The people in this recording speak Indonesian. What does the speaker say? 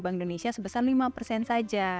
bank indonesia sebesar lima persen saja